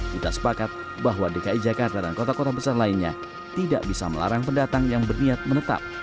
kita sepakat bahwa dki jakarta dan kota kota besar lainnya tidak bisa melarang pendatang yang berniat menetap